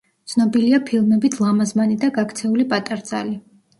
ცნობილია ფილმებით „ლამაზმანი“ და „გაქცეული პატარძალი“.